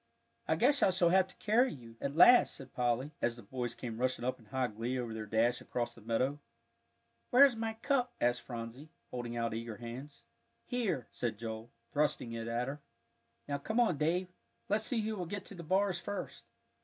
"I guess I shall have to carry you," at last said Polly, as the boys came rushing up in high glee over their dash across the meadow. "Where's my cup?" asked Phronsie, holding out eager hands. "Here," said Joel, thrusting it at her. "Now come on, Dave, let's see who will get to the bars first."